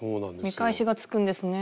見返しがつくんですね。